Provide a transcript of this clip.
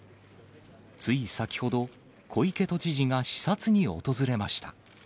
つい先ほど、小池都知事が視察に訪れました。